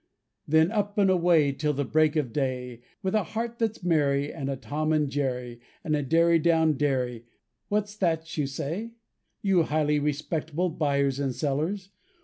Then up and away Till the break of day, With a heart that's merry, And a Tom and Jerry, And a derry down derry What's that you say. You highly respectable Buyers and sellers?